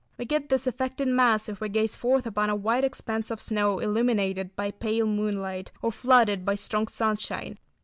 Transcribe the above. We get this effect in mass, if we gaze forth upon a wide expanse of snow illuminated by pale moonlight, or flooded by strong sunshine.